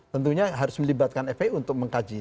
tentunya harus melibatkan fpi untuk mengkaji